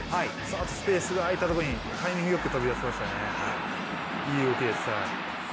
あとスペースがあいたときにタイミングよく飛び出しましたね、いい動きでしたね。